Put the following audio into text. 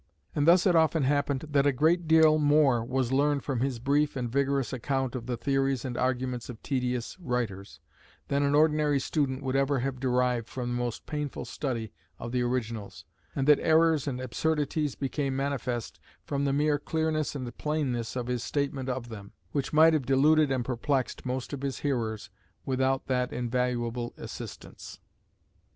And thus it often happened that a great deal more was learned from his brief and vigorous account of the theories and arguments of tedious writers, than an ordinary student could ever have derived from the most painful study of the originals, and that errors and absurdities became manifest from the mere clearness and plainness of his statement of them, which might have deluded and perplexed most of his hearers without that invaluable assistance.